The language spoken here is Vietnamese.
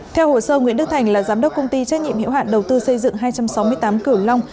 theo hồ sơ nguyễn đức thành là giám đốc công ty trách nhiệm hiệu hạn đầu tư xây dựng hai trăm sáu mươi tám cửu long